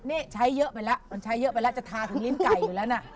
นี่ใช้เยอะไปแล้วมันใช้เยอะไปแล้วจะทาถึงลิ้นไก่อยู่แล้วนะ